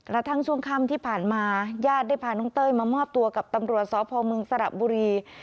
กระทั่งช่วงค่ำที่ผ่านมาญาติได้พาน้องเต้ยมามอบตัวกับตำรวจสพมสระบุรี